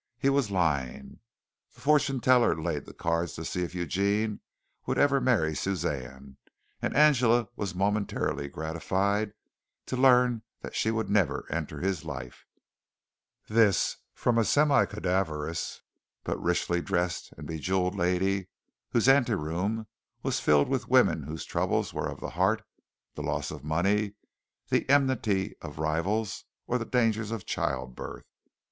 He was lying. The fortune teller laid the cards to see if Eugene would ever marry Suzanne, and Angela was momentarily gratified to learn that she would never enter his life this from a semi cadaverous, but richly dressed and bejeweled lady whose ante room was filled with women whose troubles were of the heart, the loss of money, the enmity of rivals, or the dangers of childbirth.